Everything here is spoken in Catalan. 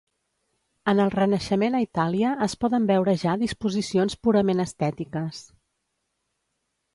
En el Renaixement a Itàlia es poden veure ja disposicions purament estètiques.